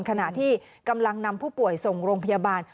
ขณะที่กำลังนำผู้ป่วยส่งโรงพยาบาล